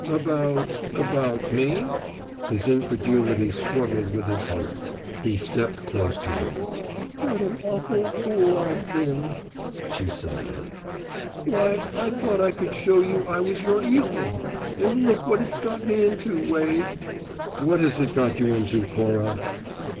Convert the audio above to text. "About about me?" His incredulity struggled with his hope. He stepped close to her. "What an awful fool I've been," she sighed. "Why, I thought I could show you I was your equal! And look what it's got me into, Wade!" "What has it got you into, Cora?"